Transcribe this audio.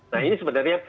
nah ini sebenarnya